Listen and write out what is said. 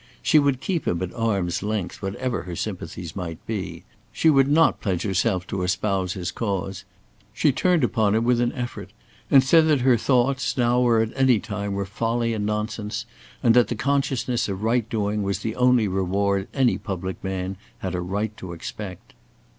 She would keep him at arm's length whatever her sympathies might be. She would not pledge herself to espouse his cause. She turned upon him with an effort, and said that her thoughts, now or at any time, were folly and nonsense, and that the consciousness of right doing was the only reward any public man had a right to expect.